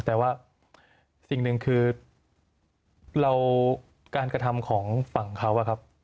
แต่ว่าสิ่งหนึ่งคือเราการกระทำของฝั่งเขาอะครับ